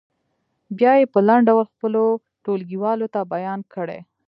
بیا یې په لنډ ډول خپلو ټولګیوالو ته بیان کړئ.